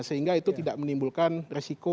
sehingga itu tidak menimbulkan resiko